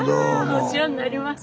お世話になります。